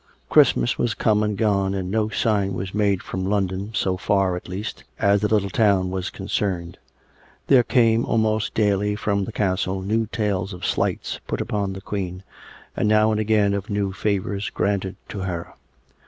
Christmas was come and gone, and no sign was made from London, so far, at least, as the little town was con cerned. There came almost daily from the castle new tales of slights put upon the Queen, and now and again of new favours granted to her.